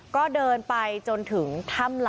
ก็เดินไปจนถึงถ้ำหลัก